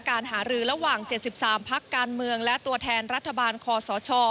การหารือระหว่าง๗๓พักการเมืองและตัวแทนรัฐบาลคอสช